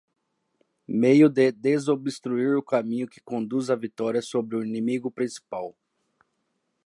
meio de desobstruir o caminho que conduz à vitória sobre o inimigo principal